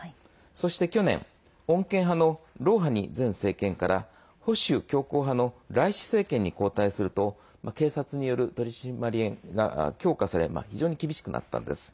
そして、去年穏健派のロウハニ前政権から保守強硬派のライシ政権に交代すると警察による取り締まりが強化され非常に厳しくなったんです。